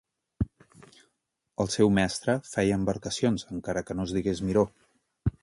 El seu mestre feia embarcacions, encara que no es digués Miró.